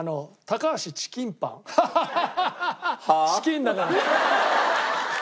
チキンだから。